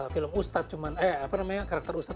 film ustadz cuman eh apa namanya karakter ustadz